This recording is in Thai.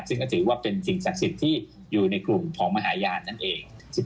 ซึ่งก็ถือว่าเป็นสิ่งศักดิ์สิทธิ์ที่อยู่ในกลุ่มของมหาญาณนั่นเอง